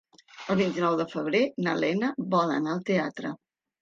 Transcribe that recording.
El vint-i-nou de febrer na Lena vol anar al teatre.